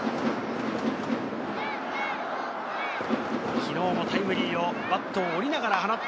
昨日もタイムリーの、バットを折りながら放った。